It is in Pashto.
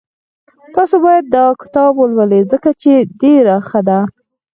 تاسو باید داکتاب ولولئ ځکه چی ډېر ښه ده